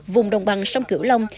vùng đồng bằng sông cửu long